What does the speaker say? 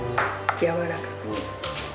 やわらかい。